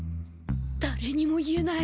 だれにも言えない。